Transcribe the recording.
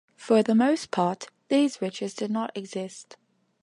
For the most part, these riches did not exist.